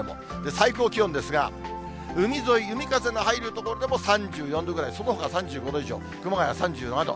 最高気温ですが、海沿い海風の入る所でも３４度ぐらい、そのほか３５度以上、熊谷３７度。